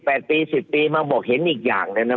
พอ๗๘ปี๑๐ปีมาบอกเห็นอีกอย่างเนี่ย